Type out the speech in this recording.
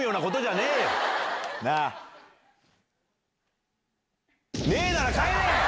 ねえなら帰れ！